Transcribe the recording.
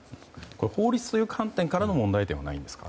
法律の観点からの問題点はないですか？